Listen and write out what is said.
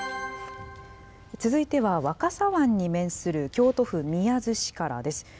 続いては、若狭湾に面する京都府宮津市からです。